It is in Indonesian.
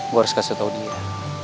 gue harus kasih tahu dia